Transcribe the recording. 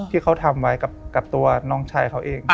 ที่เขาทำไว้กับตัวน้องชายเขาเอง